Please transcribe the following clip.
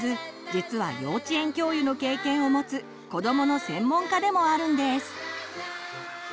実は幼稚園教諭の経験をもつ子どもの専門家でもあるんです。